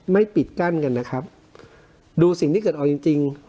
ปิดกั้นกันนะครับดูสิ่งที่เกิดเอาจริงจริง